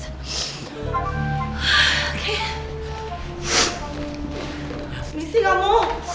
ini sih kamu